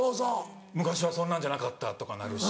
「昔はそんなんじゃなかった」とかなるし。